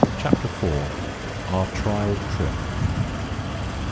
CHAPTER FOUR. OUR TRIAL TRIP.